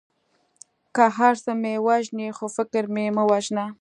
که هر څه مې وژنې خو فکر مې مه وژنه.